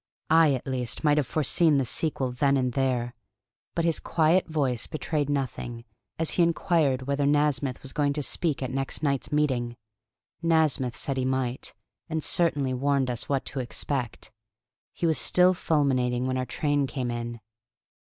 I, at least, might have foreseen the sequel then and there. But his quiet voice betrayed nothing, as he inquired whether Nasmyth was going to speak at next night's meeting. Nasmyth said he might, and certainly warned us what to expect. He was still fulminating when our train came in.